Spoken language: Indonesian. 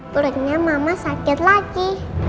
perutnya mama sakit lagi